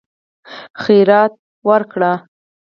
خیرات ورکړي.